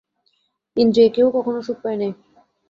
ইন্দ্রিয়ে কেহ কখনও সুখ পায় নাই।